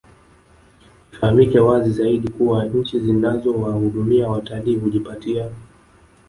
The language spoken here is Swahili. Ifahamike wazi zaidi kuwa nchi zinazowahudumia watalii hujipatia